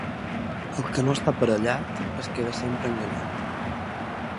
El que no està aparellat es queda sempre enganyat.